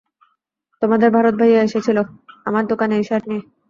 তোমাদের ভারত ভাইয়া এসেছিলো আমার দোকানে এই শার্ট নিয়ে!